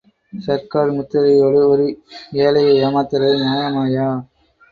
சர்க்கார் முத்திரையோட ஒரு ஏழைய ஏமாத்துறது நியாயமாய்யா..?